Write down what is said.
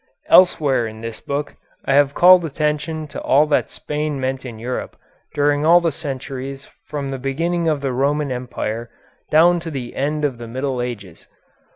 Elsewhere in this book I have called attention to all that Spain meant in Europe during all the centuries from the beginning of the Roman Empire down to the end of the Middle Ages.